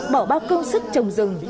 bỏ bao công sức trồng rừng